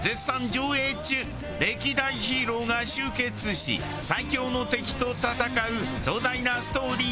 歴代ヒーローが集結し最強の敵と戦う壮大なストーリー